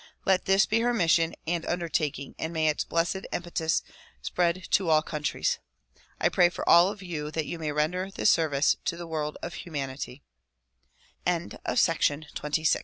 Let this be her mission and undertaking and may its blessed impetus spread to all countries. I pray for all of you that you may render this service to the world of humanity. Ill May 13, 1912, at Ho